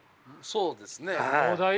そうですね。